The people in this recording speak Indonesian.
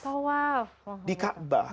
tawaf di ka'bah